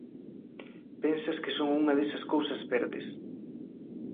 Pensas que son unha desas cousas verdes.